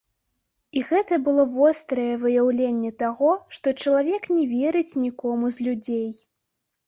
І гэта было вострае выяўленне таго, што чалавек не верыць нікому з людзей.